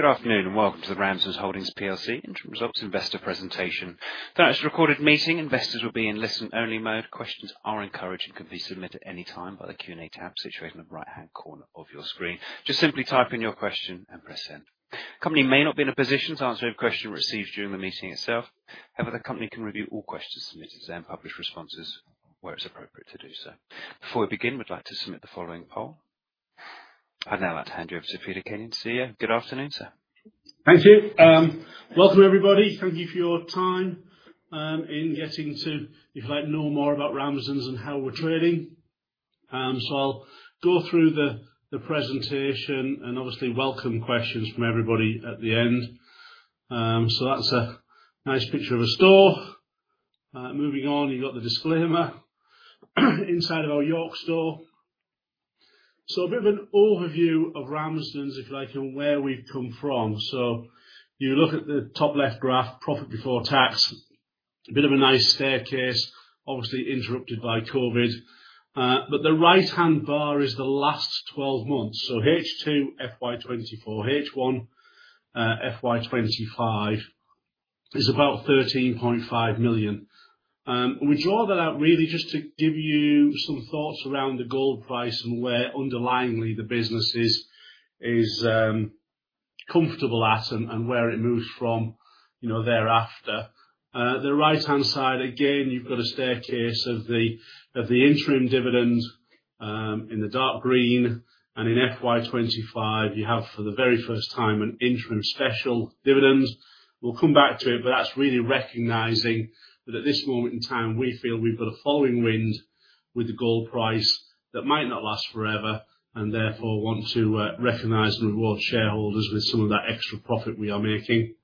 Good afternoon and welcome to the Ramsdens Holdings PLC interim results investor presentation. Now, it's a recorded meeting. Investors will be in listen-only mode. Questions are encouraged and can be submitted at any time by the Q&A tab situated in the right-hand corner of your screen. Just simply type in your question and press send. Company may not be in a position to answer every question received during the meeting itself. However, the company can review all questions submitted to them, publish responses where it's appropriate to do so. Before we begin, we'd like to submit the following poll. I'd now like to hand you over to Peter Kenyon, CEO. Good afternoon, sir. Thank you. Welcome everybody. Thank you for your time in getting to, if you'd like to know more about Ramsdens and how we're trading. I'll go through the presentation and obviously welcome questions from everybody at the end. That's a nice picture of a store. Moving on, you've got the disclaimer inside of our York store. A bit of an overview of Ramsdens, if you like, and where we've come from. You look at the top left graph, profit before tax, a bit of a nice staircase, obviously interrupted by COVID. The right-hand bar is the last 12 months. H2 FY 2024, H1 FY 2025 is about 13.5 million. We draw that out really just to give you some thoughts around the gold price and where underlyingly the business is comfortable at and where it moves from, you know, thereafter. The right-hand side, again, you've got a staircase of the interim dividend in the dark green and in FY 2025 you have for the very first time an interim special dividend. We'll come back to it, but that's really recognizing that at this moment in time, we feel we've got a following wind with the gold price that might not last forever and therefore want to recognize and reward shareholders with some of that extra profit we are making.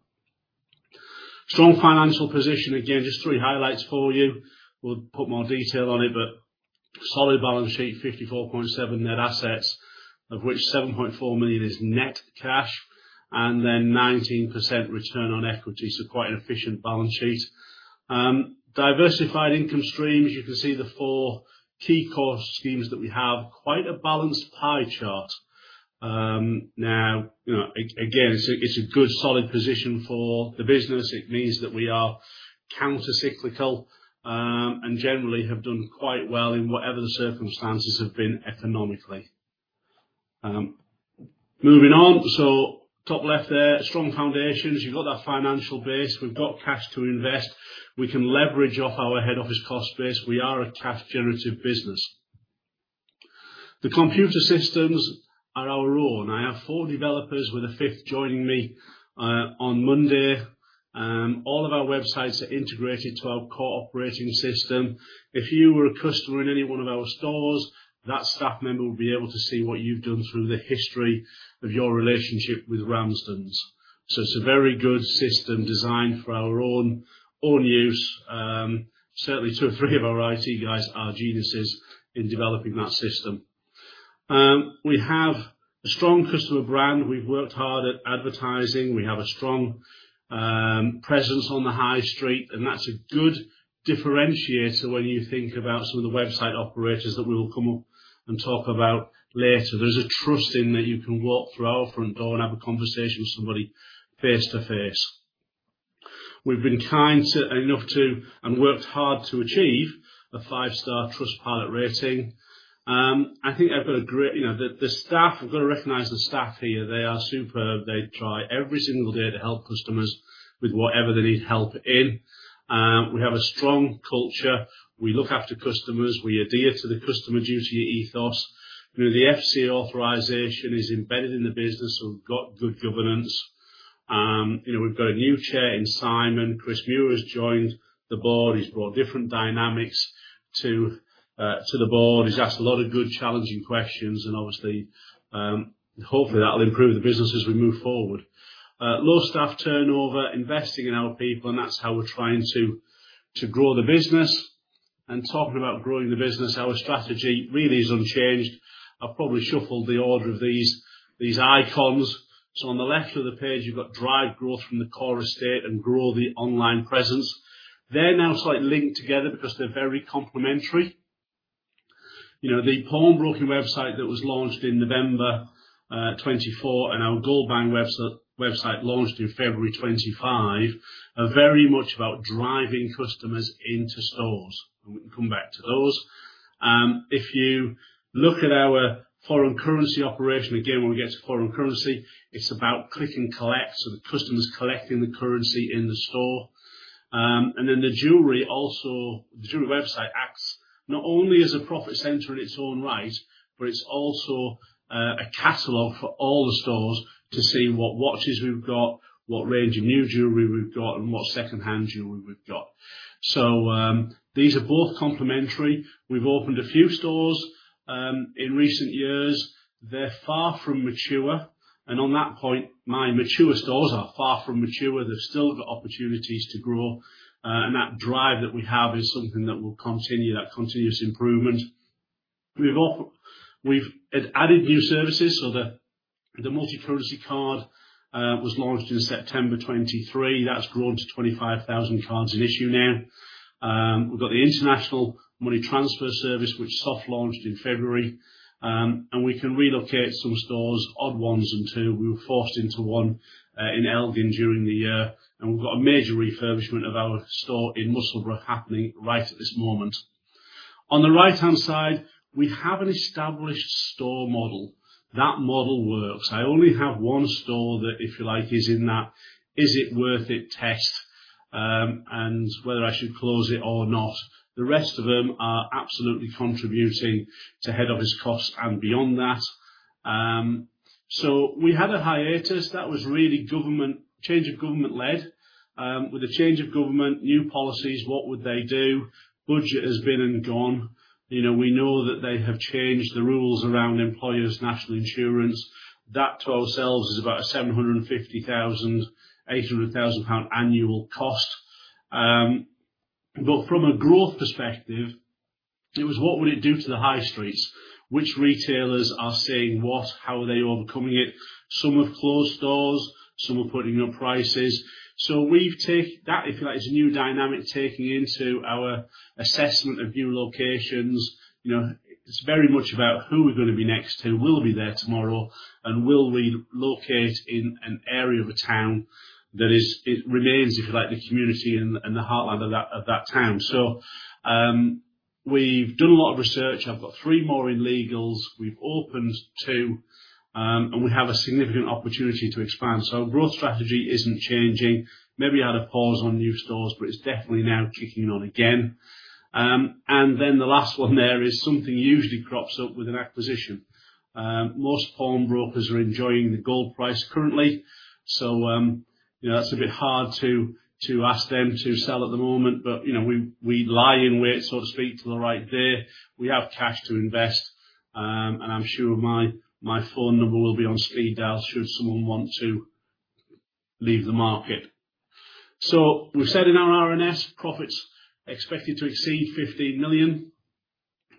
Strong financial position, again, just three highlights for you. We'll put more detail on it, but solid balance sheet, 54.7 million net assets, of which 7.4 million is net cash and then 19% return on equity, so quite an efficient balance sheet. Diversified income streams. You can see the four key core streams that we have. Quite a balanced pie chart. Now, you know, again, it's a good solid position for the business. It means that we are countercyclical, and generally have done quite well in whatever the circumstances have been economically. Moving on. Top left there, strong foundations. You've got that financial base. We've got cash to invest. We can leverage off our head office cost base. We are a cash generative business. The computer systems are our own. I have four developers with a fifth joining me on Monday. All of our websites are integrated to our core operating system. If you were a customer in any one of our stores, that staff member will be able to see what you've done through the history of your relationship with Ramsdens. It's a very good system designed for our own use. Certainly two or three of our IT guys are geniuses in developing that system. We have a strong customer brand. We've worked hard at advertising. We have a strong presence on the high street, and that's a good differentiator when you think about some of the website operators that we will come up and talk about later. There's a trust in that you can walk through our front door and have a conversation with somebody face-to-face. We've been kind enough to, and worked hard to achieve a five-star Trustpilot rating. You know, the staff. I've got to recognize the staff here. They are superb. They try every single day to help customers with whatever they need help in. We have a strong culture. We look after customers. We adhere to the Consumer Duty ethos. You know, the FCA authorization is embedded in the business, so we've got good governance. We've got a new chair in Simon. Chris Muir has joined the board. He's brought different dynamics to the board. He's asked a lot of good challenging questions, and obviously, hopefully, that'll improve the business as we move forward. Low staff turnover, investing in our people, and that's how we're trying to grow the business. Talking about growing the business, our strategy really is unchanged. I've probably shuffled the order of these icons. On the left of the page, you've got drive growth from the core estate and grow the online presence. They're now slightly linked together because they're very complementary. You know, the pawnbroking website that was launched in November 2024 and our Gold Buying website launched in February 2025 are very much about driving customers into stores. We can come back to those. If you look at our foreign currency operation, again, when we get to foreign currency, it's about click and collect. The customer's collecting the currency in the store. The jewelry also, the jewelry website acts not only as a profit center in its own right, but it's also a catalog for all the stores to see what watches we've got, what range of new jewelry we've got and what secondhand jewelry we've got. These are both complementary. We've opened a few stores in recent years. They're far from mature. On that point, my mature stores are far from mature. They've still got opportunities to grow. That drive that we have is something that will continue, that continuous improvement. We've added new services so that the Multi-Currency Card was launched in September 2023. That's grown to 25,000 cards in issue now. We've got the International Money Transfer Service, which soft launched in February, and we can relocate some stores, odd ones and two, we were forced into one, in Elgin during the year, and we've got a major refurbishment of our store in Musselburgh happening right at this moment. On the right-hand side, we have an established store model. That model works. I only have one store that, if you like, is in that, is it worth it test, and whether I should close it or not. The rest of them are absolutely contributing to head office costs and beyond that. We had a hiatus that was really government change of government-led. With the change of government, new policies, what would they do? Budget has been and gone. You know, we know that they have changed the rules around Employer's National Insurance. That, to ourselves, is about 750,000-800,000 pound annual cost. From a growth perspective, it was what would it do to the high streets? Which retailers are saying what, how are they overcoming it? Some have closed doors, some are putting up prices. We've taken that, if you like, is a new dynamic taking into our assessment of new locations. You know, it's very much about who we're gonna be next to, will we be there tomorrow, and will we locate in an area of a town that it remains, if you like, the community and the heartland of that town. We've done a lot of research. I've got three more in legals. We've opened two, and we have a significant opportunity to expand. Growth strategy isn't changing. Maybe had a pause on new stores, but it's definitely now kicking on again. The last one there is something usually crops up with an acquisition. Most pawnbrokers are enjoying the gold price currently, so you know, that's a bit hard to ask them to sell at the moment. You know, we lie in wait, so to speak, till the right day. We have cash to invest, and I'm sure my phone number will be on speed dial should someone want to leave the market. We've said in our RNS, profits expected to exceed 15 million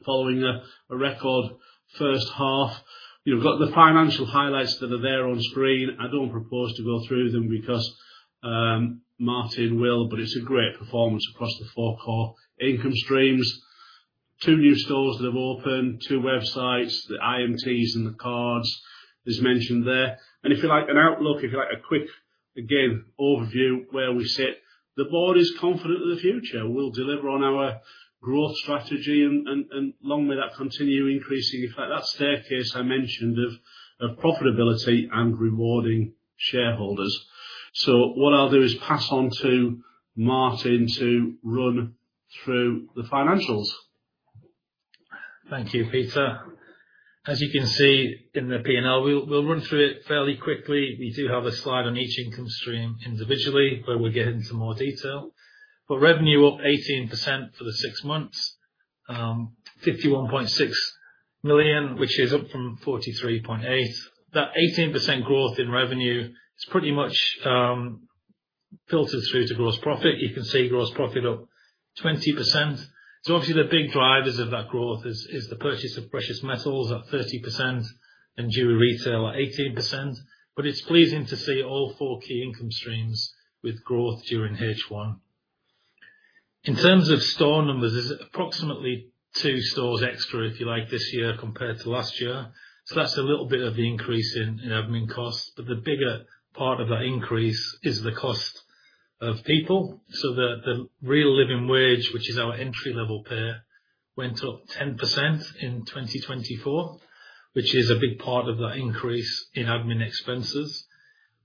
following a record first half. You've got the financial highlights that are there on screen. I don't propose to go through them because Martin will, but it's a great performance across the four core income streams. Two new stores that have opened, two websites, the IMTs and the cards as mentioned there. If you like an outlook, if you like a quick, again, overview where we sit, the board is confident of the future. We'll deliver on our growth strategy and along with that continue increasing, in fact that staircase I mentioned of profitability and rewarding shareholders. What I'll do is pass on to Martin to run through the financials. Thank you, Peter. As you can see in the P&L, we'll run through it fairly quickly. We do have a slide on each income stream individually, where we get into more detail. Revenue up 18% for the six months, 51.6 million, which is up from 43.8. That 18% growth in revenue has pretty much filtered through to gross profit. You can see gross profit up 20%. Obviously the big drivers of that growth is the purchase of precious metals at 30% and jewellery retail at 18%. It's pleasing to see all four key income streams with growth during H1. In terms of store numbers, there's approximately two stores extra, if you like, this year compared to last year. That's a little bit of the increase in admin costs. The bigger part of that increase is the cost of people. The Real Living Wage, which is our entry-level pay, went up 10% in 2024, which is a big part of that increase in admin expenses.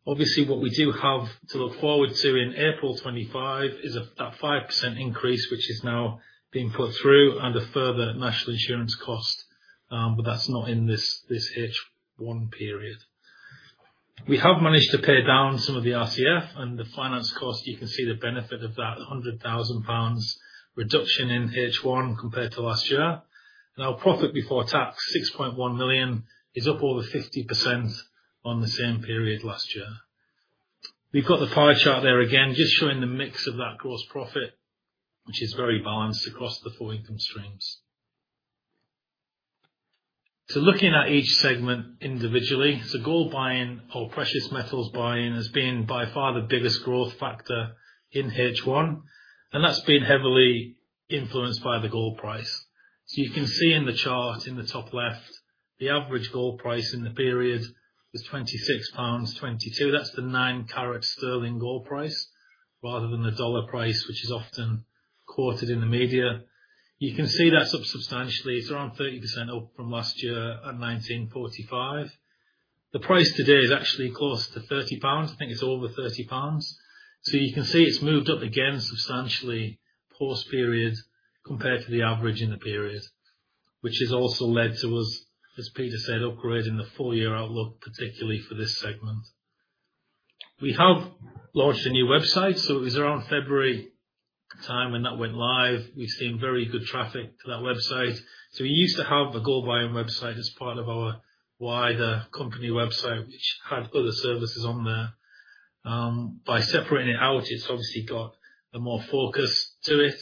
Obviously, what we do have to look forward to in April 2025 is that 5% increase, which is now being put through and a further National Insurance cost, but that's not in this H1 period. We have managed to pay down some of the RCF and the finance cost. You can see the benefit of that 100,000 pounds reduction in H1 compared to last year. Now profit before tax, 6.1 million, is up over 50% on the same period last year. We've got the pie chart there again, just showing the mix of that gross profit, which is very balanced across the four income streams, looking at each segment individually. Gold buying or precious metals buying has been by far the biggest growth factor in H1, and that's been heavily influenced by the gold price. You can see in the chart in the top left, the average gold price in the period was 26.22. That's the nine karat sterling gold price rather than the dollar price, which is often quoted in the media. You can see that's up substantially. It's around 30% up from last year at 19.45. The price today is actually close to 30 pounds. I think it's over 30 pounds. You can see it's moved up again substantially post period compared to the average in the period, which has also led to us, as Peter said, upgrading the full year outlook, particularly for this segment. We have launched a new website, so it was around February time when that went live. We've seen very good traffic to that website. We used to have a gold buying website as part of our wider company website, which had other services on there. By separating it out, it's obviously got a more focus to it,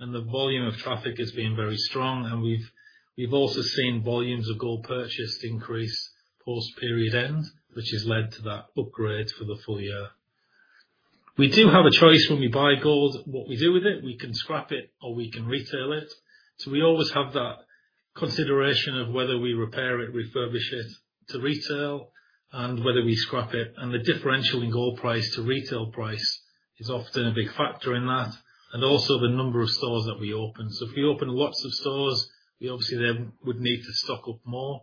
and the volume of traffic has been very strong. We've also seen volumes of gold purchased increase post period end, which has led to that upgrade for the full year. We do have a choice when we buy gold, what we do with it. We can scrap it or we can retail it. We always have that consideration of whether we repair it, refurbish it to retail, and whether we scrap it. The differential in gold price to retail price is often a big factor in that, and also the number of stores that we open. If we open lots of stores, we obviously then would need to stock up more.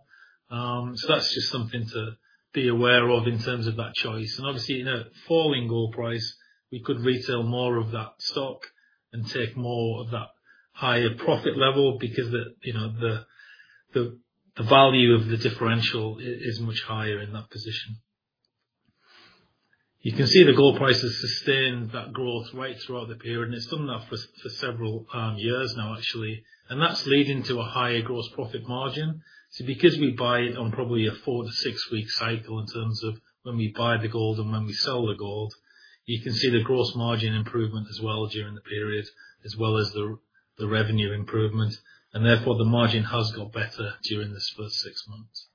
That's just something to be aware of in terms of that choice. Obviously, in a falling gold price, we could retail more of that stock and take more of that higher profit level because the you know the value of the differential is much higher in that position. You can see the gold price has sustained that growth right throughout the period, and it's done that for several years now, actually. That's leading to a higher gross profit margin. Because we buy on probably a four-six week cycle in terms of when we buy the gold and when we sell the gold, you can see the gross margin improvement as well during the period, as well as the revenue improvement. Therefore, the margin has got better during this first six months.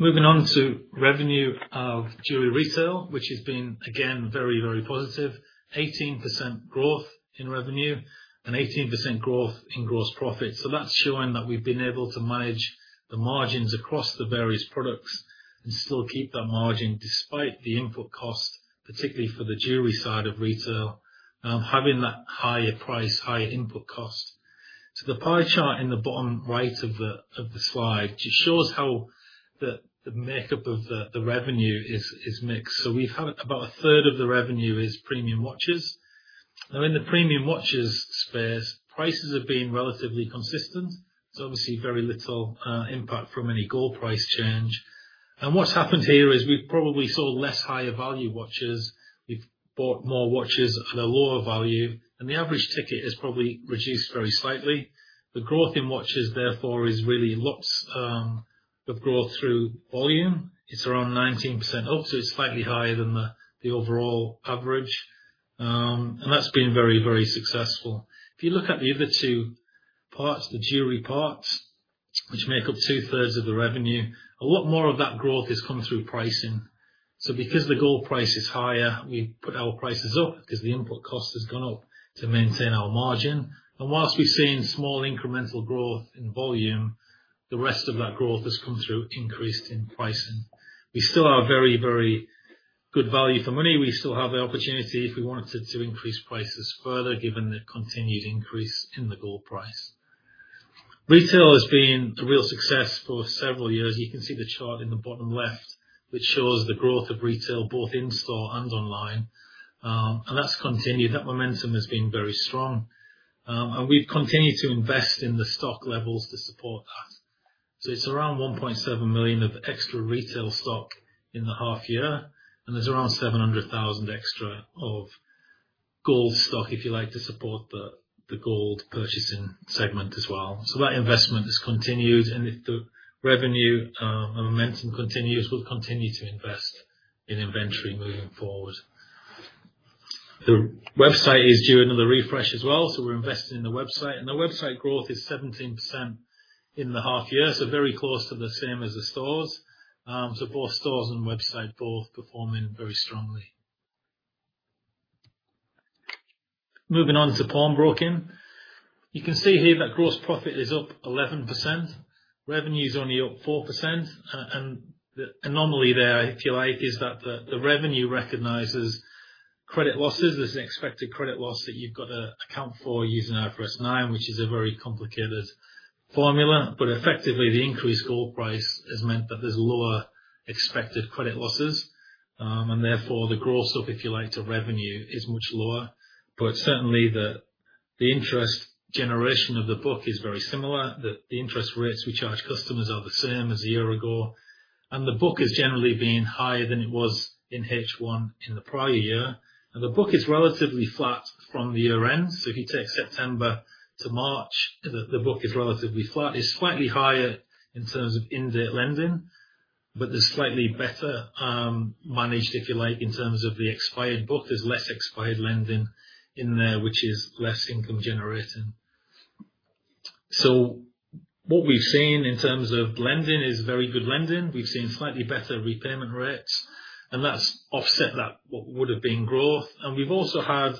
Moving on to revenue of jewelry retail, which has been, again, very, very positive. 18% growth in revenue and 18% growth in gross profit. That's showing that we've been able to manage the margins across the various products and still keep that margin despite the input cost, particularly for the jewelry side of retail, having that higher price, higher input cost. The pie chart in the bottom right of the slide just shows how the makeup of the revenue is mixed. We've had about a third of the revenue is premium watches. Now, in the premium watches space, prices have been relatively consistent, so obviously very little impact from any gold price change. What's happened here is we've probably sold less higher value watches. We've bought more watches at a lower value, and the average ticket has probably reduced very slightly. The growth in watches, therefore, is really lots of growth through volume. It's around 19% up, so it's slightly higher than the overall average. That's been very, very successful. If you look at the other two parts, the jewelry parts, which make up two-thirds of the revenue, a lot more of that growth has come through pricing. Because the gold price is higher, we've put our prices up because the input cost has gone up to maintain our margin. While we've seen small incremental growth in volume, the rest of that growth has come through increases in pricing. We still are very, very good value for money. We still have the opportunity if we wanted to increase prices further, given the continued increase in the gold price. Retail has been a real success for several years. You can see the chart in the bottom left, which shows the growth of retail both in-store and online. That's continued. That momentum has been very strong. We've continued to invest in the stock levels to support that. It's around 1.7 million of extra retail stock in the half year, and there's around 700,000 extra of gold stock, if you like, to support the gold purchasing segment as well. That investment has continued, and if the revenue and momentum continues, we'll continue to invest in inventory moving forward. The website is due another refresh as well, so we're investing in the website, and the website growth is 17% in the half year, so very close to the same as the stores. Both stores and website both performing very strongly. Moving on to pawnbroking. You can see here that gross profit is up 11%. Revenue's only up 4%. The anomaly there, if you like, is that the revenue recognizes credit losses. There's an expected credit loss that you've got to account for using IFRS 9, which is a very complicated formula. Effectively, the increased gold price has meant that there's lower expected credit losses. Therefore, the gross up, if you like, to revenue is much lower. Certainly the interest generation of the book is very similar. The interest rates we charge customers are the same as a year ago. The book has generally been higher than it was in H1 in the prior year. The book is relatively flat from the year-end. If you take September to March, the book is relatively flat. It's slightly higher in terms of in-date lending, but they're slightly better managed, if you like, in terms of the expired book. There's less expired lending in there, which is less income generating. What we've seen in terms of lending is very good lending. We've seen slightly better repayment rates, and that's offset that, what would have been growth. We've also had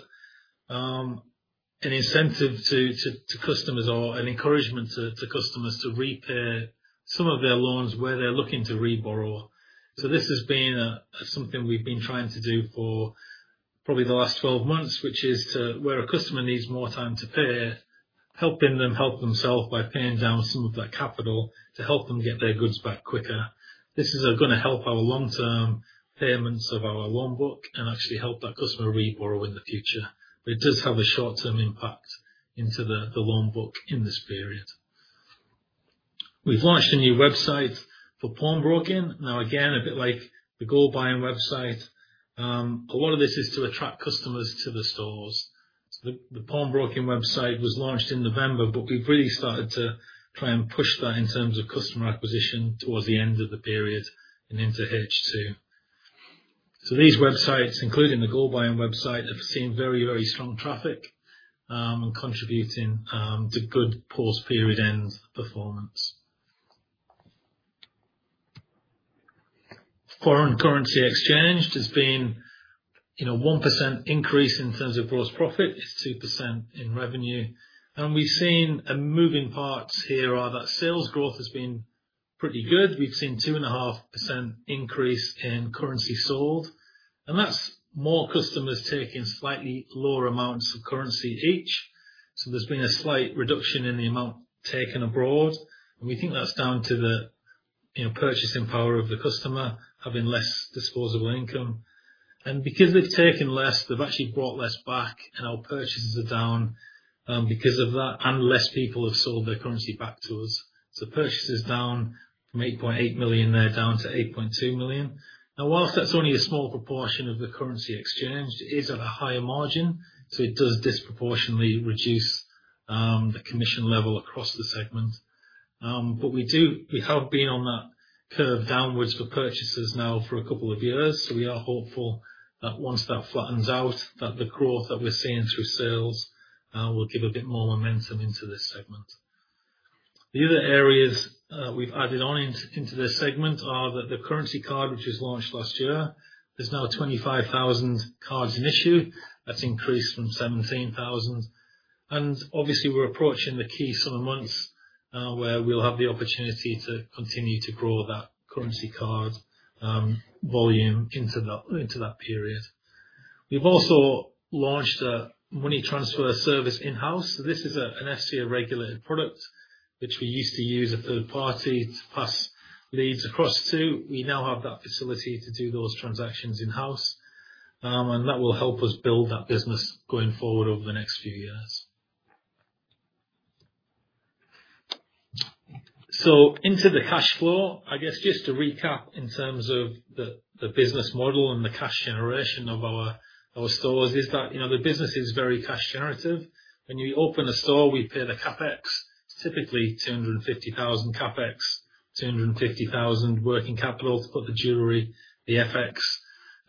an incentive to customers or an encouragement to customers to repay some of their loans where they're looking to reborrow. This has been something we've been trying to do for probably the last 12 months, which is to where a customer needs more time to pay, helping them help themselves by paying down some of that capital to help them get their goods back quicker. This is gonna help our long-term payments of our loan book and actually help that customer reborrow in the future. It does have a short-term impact into the loan book in this period. We've launched a new website for pawnbroking. Now, again, a bit like the gold buying website. A lot of this is to attract customers to the stores. The pawnbroking website was launched in November, but we've really started to try and push that in terms of customer acquisition towards the end of the period and into H2. These websites, including the gold buying website, have seen very, very strong traffic and contributing to good post-period end performance. Foreign currency exchange has been, you know, 1% increase in terms of gross profit, it's 2% in revenue. We've seen moving parts here, but sales growth has been pretty good. We've seen 2.5% increase in currency sold, and that's more customers taking slightly lower amounts of currency each. There's been a slight reduction in the amount taken abroad. We think that's down to the, you know, purchasing power of the customer having less disposable income. Because they've taken less, they've actually brought less back, and our purchases are down because of that, and less people have sold their currency back to us. Purchases down made 8.8 million there, down to 8.2 million. Now, while that's only a small proportion of the currency exchanged, it is at a higher margin, so it does disproportionately reduce the commission level across the segment. But we have been on that curve downwards for purchases now for a couple of years, so we are hopeful that once that flattens out, that the growth that we're seeing through sales will give a bit more momentum into this segment. The other areas we've added on into this segment are the currency card, which was launched last year. There's now 25,000 cards in issue. That's increased from 17,000. Obviously we're approaching the key summer months, where we'll have the opportunity to continue to grow that currency card volume into that period. We've also launched a money transfer service in-house. This is an FCA-regulated product, which we used to use a third party to pass leads across to. We now have that facility to do those transactions in-house, and that will help us build that business going forward over the next few years. Into the cash flow, I guess, just to recap in terms of the business model and the cash generation of our stores is that, you know, the business is very cash generative. When we open a store, we pay the CapEx, typically 250,000 CapEx, 250,000 working capital to put the jewelry, the FX,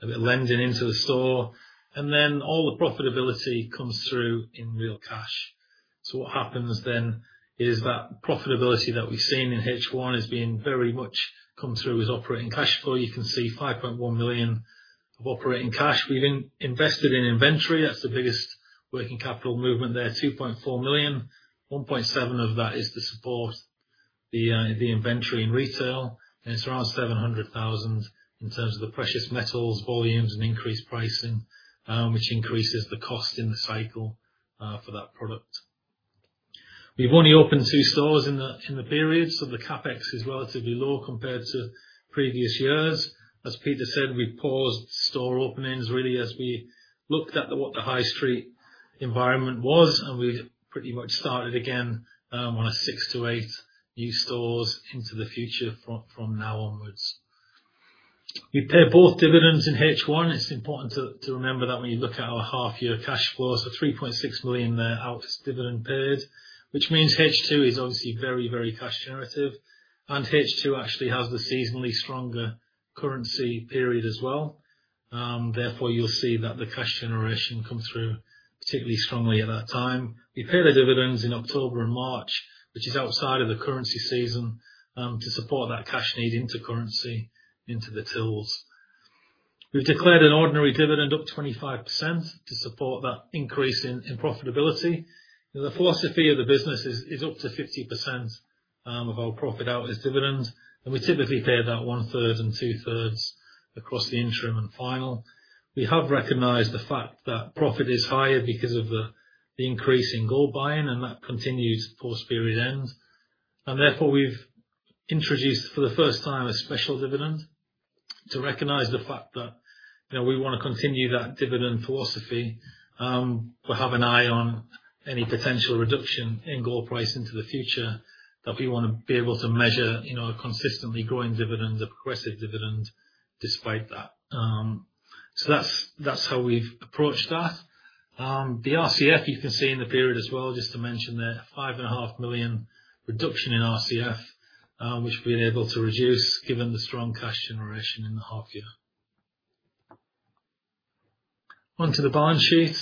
a bit of lending into the store, and then all the profitability comes through in real cash. What happens then is that profitability that we've seen in H1 is being very much come through as operating cash flow. You can see 5.1 million of operating cash. We've invested in inventory. That's the biggest working capital movement there, 2.4 million. 1.7 million of that is to support the inventory in retail, and it's around 700,000 in terms of the precious metals volumes and increased pricing, which increases the cost in the cycle, for that product. We've only opened two stores in the period, so the CapEx is relatively low compared to previous years. As Peter said, we paused store openings really as we looked at what the high street environment was, and we pretty much started again on a six to eight new stores into the future from now onwards. We paid both dividends in H1. It's important to remember that when you look at our half year cash flows, the 3.6 million outflow is dividend paid, which means H2 is obviously very cash generative. H2 actually has the seasonally stronger currency period as well, therefore you'll see that the cash generation comes through particularly strongly at that time. We pay the dividends in October and March, which is outside of the currency season, to support that cash need into currency into the tills. We've declared an ordinary dividend up 25% to support that increase in profitability. The philosophy of the business is up to 50% of our profit out as dividends, and we typically pay that one third and two thirds across the interim and final. We have recognized the fact that profit is higher because of the increase in gold buying and that continues post period end. Therefore, we've introduced for the first time a special dividend to recognize the fact that, you know, we wanna continue that dividend philosophy, but have an eye on any potential reduction in gold price into the future, that we wanna be able to measure in our consistently growing dividends, aggressive dividend despite that. That's how we've approached that. The RCF you can see in the period as well, just to mention there, 5.5 million reduction in RCF, which we've been able to reduce given the strong cash generation in the half year. Onto the balance sheet.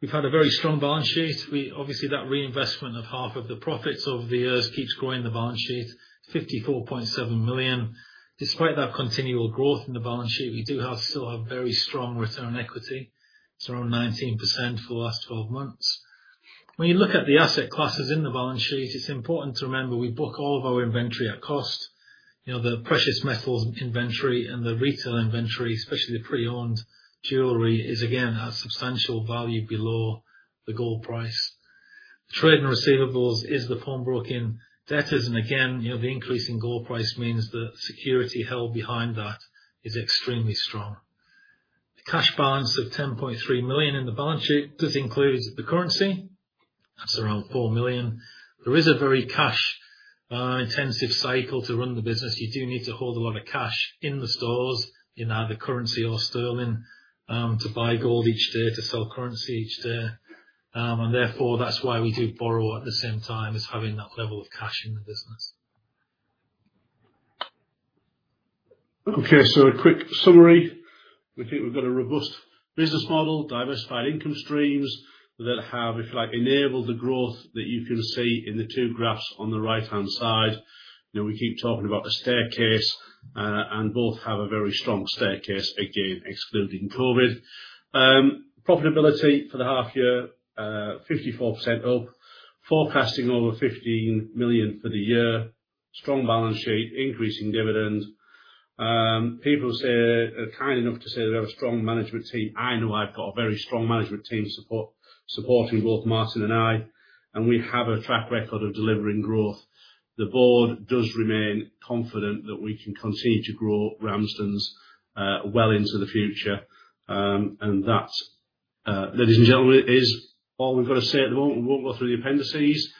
We've had a very strong balance sheet. Obviously, that reinvestment of half of the profits over the years keeps growing the balance sheet, 54.7 million. Despite that continual growth in the balance sheet, we still have very strong return on equity. It's around 19% for the last 12 months. When you look at the asset classes in the balance sheet, it's important to remember we book all of our inventory at cost. You know, the precious metals inventory and the retail inventory, especially the pre-owned jewelry, is again at a substantial value below the gold price. Trade and receivables is the pawnbroking debtors and again, you know, the increase in gold price means the security held behind that is extremely strong. The cash balance of 10.3 million in the balance sheet, this includes the currency. That's around 4 million. There is a very cash intensive cycle to run the business. You do need to hold a lot of cash in the stores in either currency or sterling, to buy gold each day, to sell currency each day. Therefore, that's why we do borrow at the same time as having that level of cash in the business. Okay, a quick summary. We think we've got a robust business model, diversified income streams that have, if you like, enabled the growth that you can see in the two graphs on the right-hand side. You know, we keep talking about the staircase, and both have a very strong staircase, again, excluding COVID. Profitability for the half year, 54% up, forecasting over 15 million for the year, strong balance sheet, increasing dividend. People say, are kind enough to say that we have a strong management team. I know I've got a very strong management team support, supporting both Martin and I, and we have a track record of delivering growth. The board does remain confident that we can continue to grow Ramsdens, well into the future. That, ladies and gentlemen, is all we've got to say at the moment. We won't go through the appendices,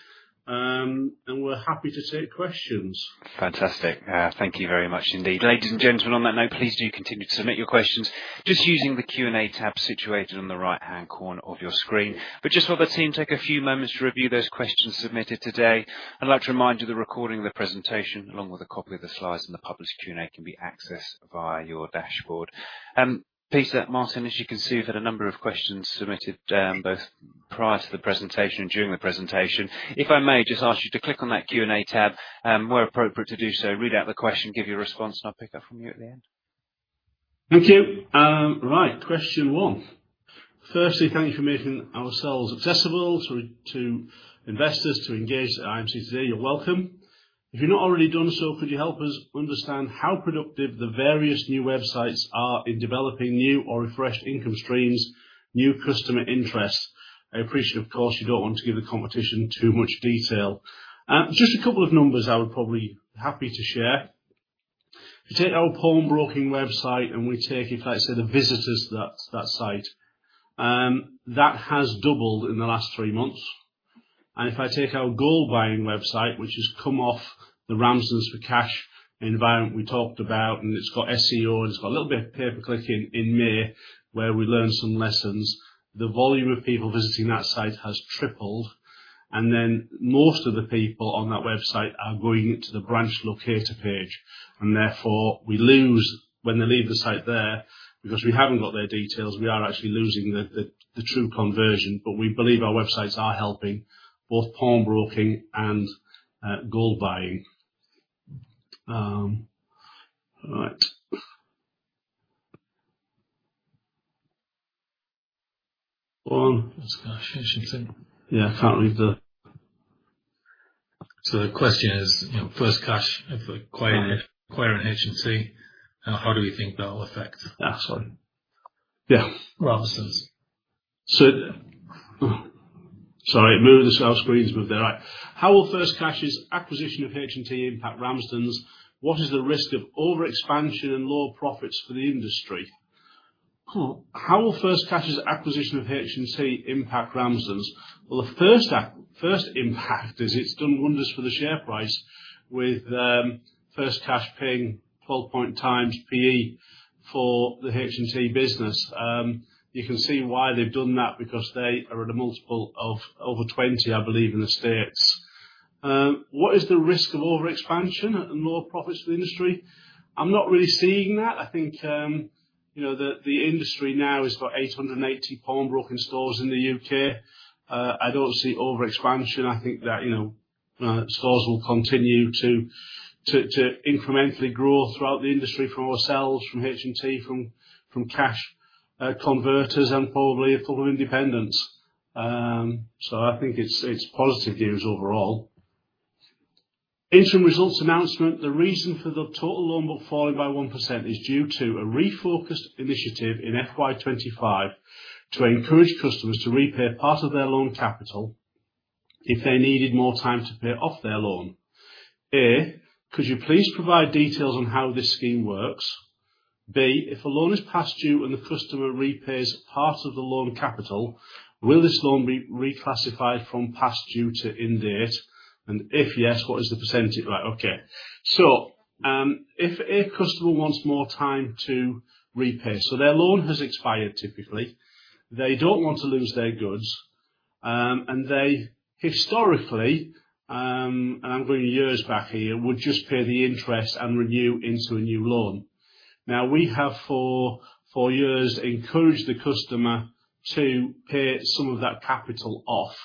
and we're happy to take questions. Fantastic. Thank you very much indeed. Ladies and gentlemen, on that note, please do continue to submit your questions just using the Q&A tab situated on the right-hand corner of your screen. Just while the team take a few moments to review those questions submitted today, I'd like to remind you the recording of the presentation, along with a copy of the slides and the published Q&A, can be accessed via your dashboard. Peter, Martin, as you can see, we've had a number of questions submitted, both prior to the presentation and during the presentation. If I may just ask you to click on that Q&A tab, where appropriate to do so, read out the question, give your response, and I'll pick up from you at the end. Thank you. Right. Question one. Firstly, thank you for making ourselves accessible to investors to engage at IMC today. You're welcome. If you've not already done so, could you help us understand how productive the various new websites are in developing new or refreshed income streams, new customer interest? I appreciate, of course, you don't want to give the competition too much detail. Just a couple of numbers I would probably be happy to share. If you take our pawnbroking website and we take, if I say, the visitors to that site, that has doubled in the last three months. If I take our gold buying website, which has come off the Ramsdens for Cash environment we talked about, and it's got SEO, and it's got a little bit of pay per click in May, where we learned some lessons, the volume of people visiting that site has tripled. Then most of the people on that website are going to the branch locator page, and therefore we lose when they leave the site there. Because we haven't got their details, we are actually losing the true conversion. We believe our websites are helping both pawnbroking and gold buying. All right. One- FirstCash, H&T. Yeah, I can't read. The question is, you know, FirstCash acquiring H&T, how do we think that will affect- That's one. Yeah. Ramsdens. Sorry moving themselves the screen. How will FirstCash's acquisition of H&T impact Ramsdens? What is the risk of overexpansion and low profits for the industry? How will FirstCash's acquisition of H&T impact Ramsdens? Well, the first impact is it's done wonders for the share price with FirstCash paying 12 times PE for the H&T business. You can see why they've done that, because they are at a multiple of over 20, I believe, in the States. What is the risk of overexpansion and low profits for the industry? I'm not really seeing that. I think, you know, the industry now has got 880 pawnbroking stores in the U.K. I don't see overexpansion. I think that, you know, stores will continue to incrementally grow throughout the industry from ourselves, from H&T, from Cash Converters, and probably a couple of independents. I think it's positive news overall. Interim results announcement, the reason for the total loan book falling by 1% is due to a refocused initiative in FY 2025 to encourage customers to repay part of their loan capital if they needed more time to pay off their loan. A, could you please provide details on how this scheme works? B, if a loan is past due and the customer repays part of the loan capital, will this loan be reclassified from past due to in date? And if yes, what is the percentage? Right. Okay. If a customer wants more time to repay, their loan has expired, typically, they don't want to lose their goods, and they historically, and I'm going years back here, would just pay the interest and renew into a new loan. Now, we have for years encouraged the customer to pay some of that capital off,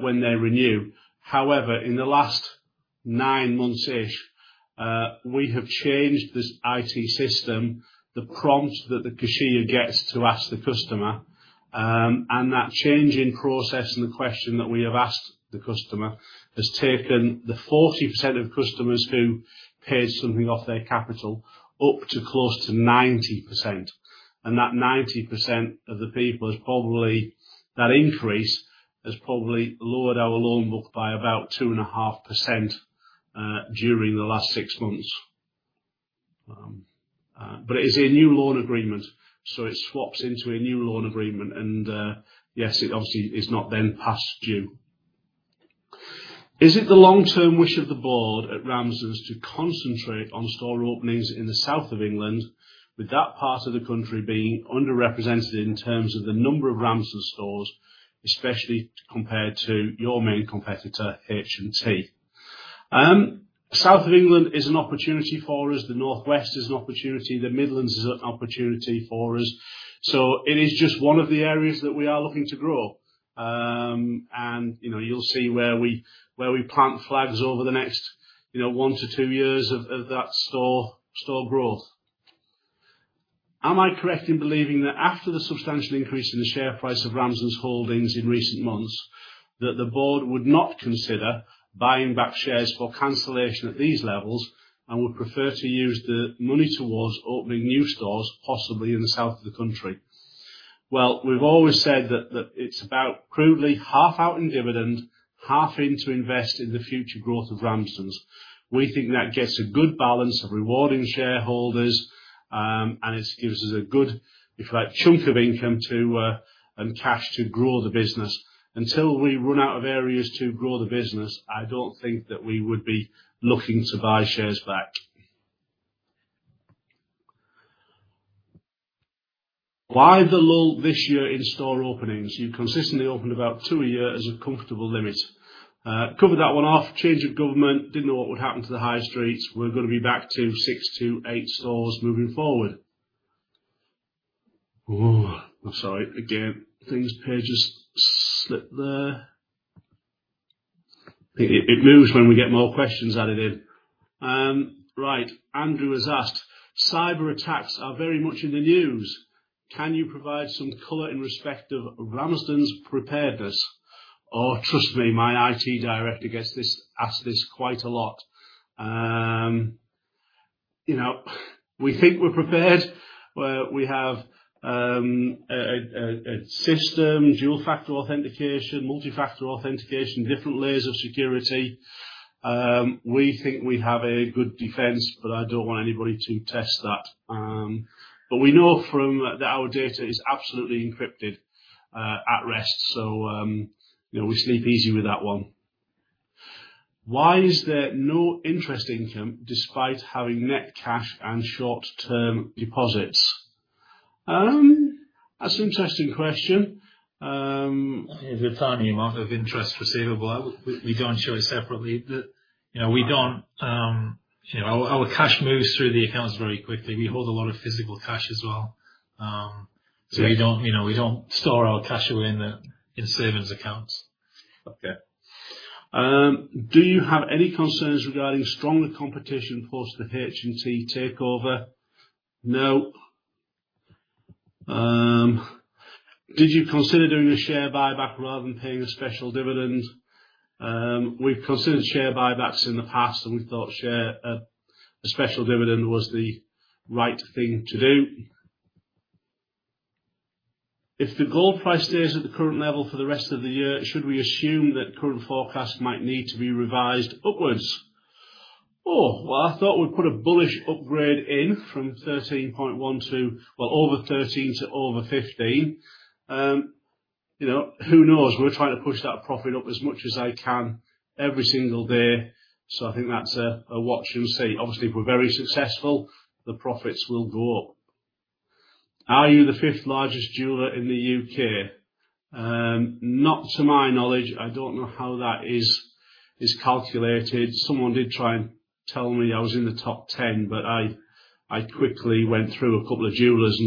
when they renew. However, in the last nine months-ish, we have changed this IT system, the prompt that the cashier gets to ask the customer, and that change in process and the question that we have asked the customer has taken the 40% of customers who paid something off their capital up to close to 90%. that 90% of the people is probably, that increase has probably lowered our loan book by about 2.5% during the last six months. It is a new loan agreement, so it swaps into a new loan agreement and, yes, it obviously is not then past due. Is it the long-term wish of the board at Ramsdens to concentrate on store openings in the South of England, with that part of the country being underrepresented in terms of the number of Ramsdens stores, especially compared to your main competitor, H&T? South of England is an opportunity for us. The Northwest is an opportunity. The Midlands is an opportunity for us. It is just one of the areas that we are looking to grow. You know, you'll see where we plant flags over the next one-two years of that store growth. Am I correct in believing that after the substantial increase in the share price of Ramsdens Holdings in recent months, that the board would not consider buying back shares for cancellation at these levels and would prefer to use the money towards opening new stores, possibly in the south of the country? Well, we've always said that it's about crudely half out in dividend, half in to invest in the future growth of Ramsdens. We think that gets a good balance of rewarding shareholders, and it gives us a good, like chunk of income and cash to grow the business. Until we run out of areas to grow the business, I don't think that we would be looking to buy shares back. Why the lull this year in store openings? You consistently opened about two a year as a comfortable limit. Covered that one off. Change of government, didn't know what would happen to the high streets. We're gonna be back to six-eight stores moving forward. Oh, I'm sorry. Again, things, pages slipped there. It moves when we get more questions added in. Right, Andrew has asked, cyber attacks are very much in the news. Can you provide some color in respect of Ramsdens' preparedness? Oh, trust me, my IT director gets this, asked this quite a lot. You know, we think we're prepared where we have a system, dual-factor authentication, multi-factor authentication, different layers of security. We think we have a good defense, but I don't want anybody to test that. We know from that our data is absolutely encrypted at rest. You know, we sleep easy with that one. Why is there no interest income despite having net cash and short-term deposits? That's an interesting question. There's a tiny amount of interest receivable. We don't show it separately. You know, we don't you know, our cash moves through the accounts very quickly. We hold a lot of physical cash as well. We don't you know, we don't store our cash away in savings accounts. Okay. Do you have any concerns regarding stronger competition post the H&T takeover? No. Did you consider doing a share buyback rather than paying a special dividend? We've considered share buybacks in the past, and we thought a special dividend was the right thing to do. If the gold price stays at the current level for the rest of the year, should we assume that current forecast might need to be revised upwards? I thought we'd put a bullish upgrade in from 13.1 to well over 13 to over 15. You know, who knows? We're trying to push that profit up as much as I can every single day. I think that's a wait and see. Obviously, if we're very successful, the profits will go up. Are you the fifth largest jeweler in the U.K.? Not to my knowledge. I don't know how that is calculated. Someone did try and tell me I was in the top 10, but I quickly went through a couple of jewelers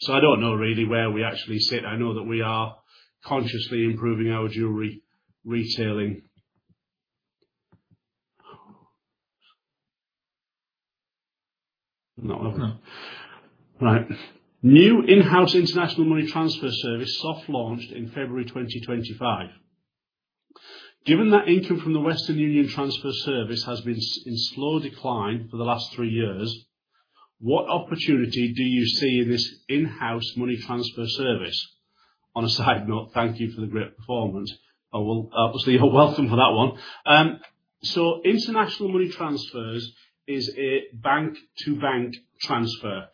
and said, "Maybe not." I don't know really where we actually sit. I know that we are consciously improving our jewelry retailing. Not opening. Right. New in-house international money transfer service soft launched in February 2025. Given that income from the Western Union transfer service has been in slow decline for the last three years, what opportunity do you see in this in-house money transfer service? On a side note, thank you for the great performance. Oh, well, obviously, you're welcome for that one. International money transfers is a bank-to-bank transfer.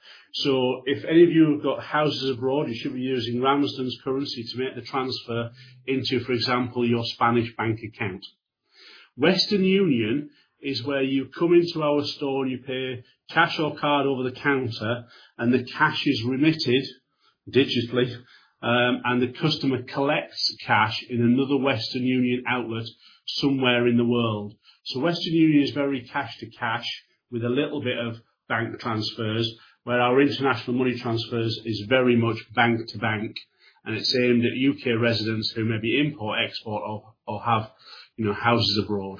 If any of you have got houses abroad, you should be using Ramsdens' currency to make the transfer into, for example, your Spanish bank account. Western Union is where you come into our store, you pay cash or card over the counter, and the cash is remitted digitally, and the customer collects cash in another Western Union outlet somewhere in the world. Western Union is very cash to cash with a little bit of bank transfers, where our international money transfers is very much bank to bank, and it's aimed at U.K. residents who maybe import, export, or have, you know, houses abroad.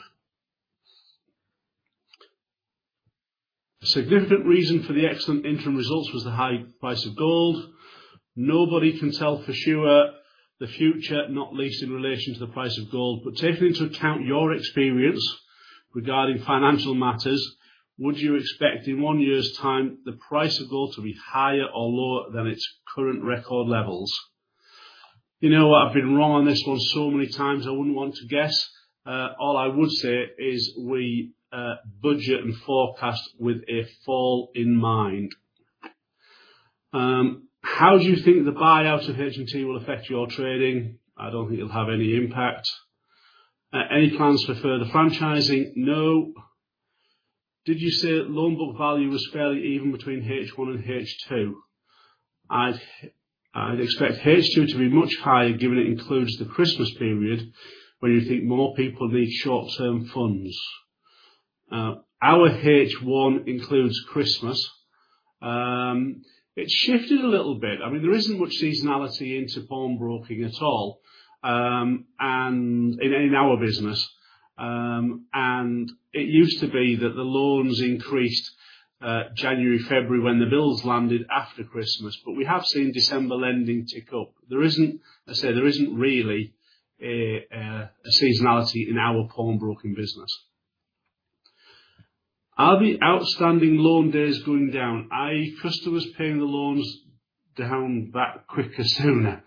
A significant reason for the excellent interim results was the high price of gold. Nobody can tell for sure the future, not least in relation to the price of gold. Taking into account your experience regarding financial matters, would you expect in one year's time the price of gold to be higher or lower than its current record levels? You know what? I've been wrong on this one so many times, I wouldn't want to guess. All I would say is we budget and forecast with a fall in mind. How do you think the buyout of H&T will affect your trading? I don't think it'll have any impact. Any plans for further franchising? No. Did you say loan book value was fairly even between H1 and H2? I'd expect H2 to be much higher, given it includes the Christmas period, where you think more people need short-term funds. Our H1 includes Christmas. It shifted a little bit. I mean, there isn't much seasonality into pawnbroking at all, and in our business. And it used to be that the loans increased January, February when the bills landed after Christmas, but we have seen December lending tick up. There isn't really a seasonality in our pawnbroking business. Are the outstanding loan days going down, i.e. customers paying the loans down that quicker sooner?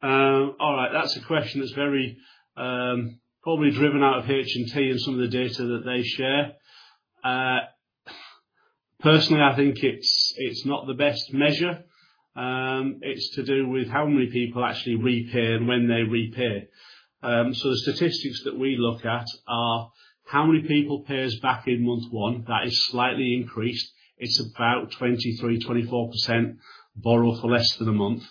All right, that's a question that's very probably driven out of H&T and some of the data that they share. Personally, I think it's not the best measure. It's to do with how many people actually repay and when they repay. The statistics that we look at are how many people pay us back in month one. That is slightly increased. It's about 23%-24% borrow for less than a month.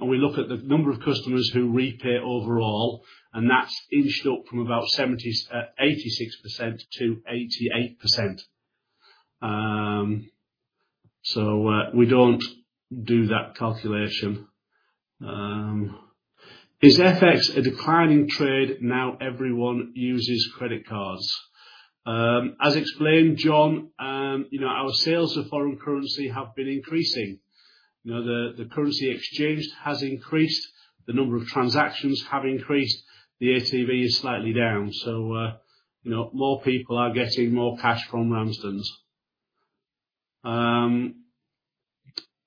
We look at the number of customers who repay overall, and that's inched up from about 86%-88%. We don't do that calculation. Is FX a decline in trade now everyone uses credit cards? As explained, John, you know, our sales of foreign currency have been increasing. You know, the currency exchanged has increased, the number of transactions have increased, the ATV is slightly down, so you know, more people are getting more cash from Ramsdens.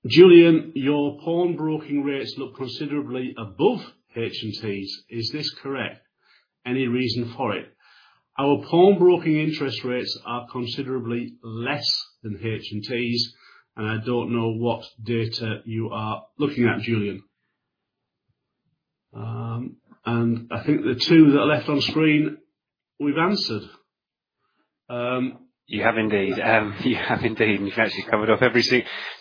Julian, your pawnbroking rates look considerably above H&T's. Is this correct? Any reason for it? Our pawnbroking interest rates are considerably less than H&T's, and I don't know what data you are looking at, Julian. I think the two that are left on screen, we've answered. You have indeed, and you've actually covered off every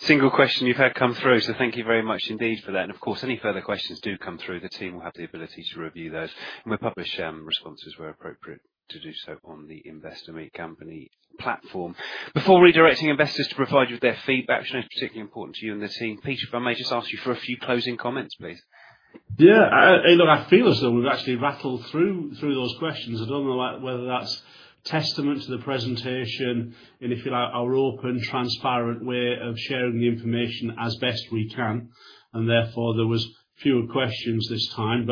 single question you've had come through. Thank you very much indeed for that. Of course, any further questions do come through, the team will have the ability to review those, and we'll publish responses where appropriate to do so on the Investor Meet Company platform before redirecting investors to provide you with their feedback, which is particularly important to you and the team, Peter. If I may just ask you for a few closing comments, please. Yeah. You know, I feel as though we've actually rattled through those questions. I don't know whether that's testament to the presentation and if, like, our open, transparent way of sharing the information as best we can, and therefore, there was fewer questions this time.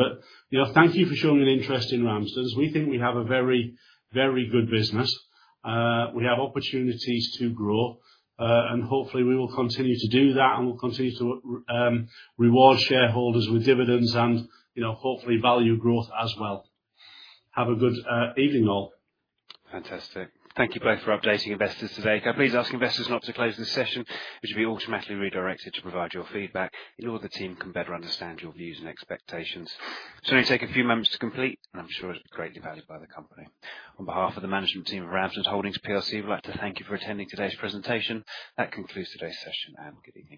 You know, thank you for showing an interest in Ramsdens. We think we have a very, very good business. We have opportunities to grow, and hopefully we will continue to do that, and we'll continue to reward shareholders with dividends and, you know, hopefully value growth as well. Have a good evening, all. Fantastic. Thank you both for updating investors today. Can I please ask investors not to close this session, which will be automatically redirected to provide your feedback in order that the team can better understand your views and expectations. This only take a few moments to complete, and I'm sure it'll be greatly valued by the company. On behalf of the management team of Ramsdens Holdings PLC, we'd like to thank you for attending today's presentation. That concludes today's session, and good evening.